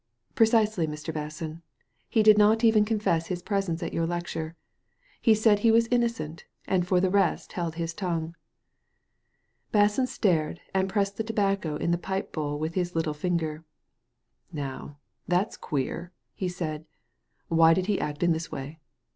" Precisely, Mr. Basson ; he did not even confess his presence at your lecture. He said he was innocent, and for the rest held his tongue." Basson stared, and pressed the tobacco in the pipe bowl with his little finger. Now, that's queer," he said. " Why does he act in this way